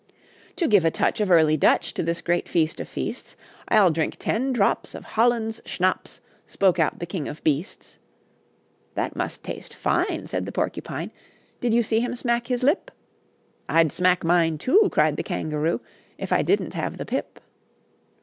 "To give a touch Of early Dutch To this great feast of feasts, I'll drink ten drops Of Holland's schnapps," Spoke out the King of Beasts. "That must taste fine," Said the Porcupine, "Did you see him smack his lip?" "I'd smack mine, too," Cried the Kangaroo, "If I didn't have the pip."